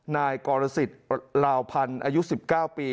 นายกรสิทธิ์ลาวพันธ์อายุ๑๙ปี